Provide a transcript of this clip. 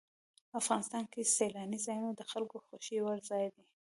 افغانستان کې سیلاني ځایونه د خلکو خوښې وړ ځای دی.